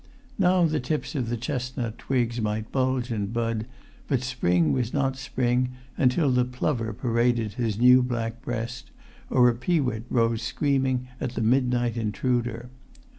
Now the tips of the chestnut twigs might bulge and bud, but spring was not spring until the plover paraded his new black breast, or a peewit rose screaming at the midnight intruder.